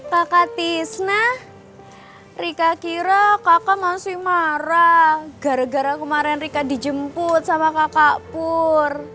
kakak tisna rika kira kakak masih marah gara gara kemarin rika dijemput sama kakak pur